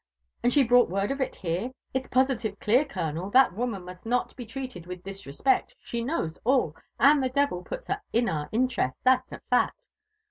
— and she brought word of it here ?— It's positive clear, colo nel, that woman must not be treated wilh disrespect — she knows a]], and the devil puts her in our interest, that's a fact."